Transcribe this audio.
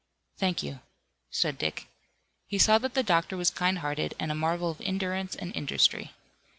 "Thank you," said Dick. He saw that the doctor was kind hearted, and a marvel of endurance and industry.